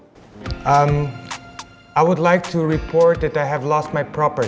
saya ingin mengucapkan bahwa saya telah kehilangan kawasan